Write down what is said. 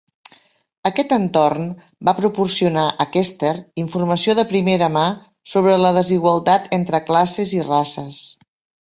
Aquest entorn va proporcionar a Kester informació de primera mà sobre la desigualtat entre classes i races.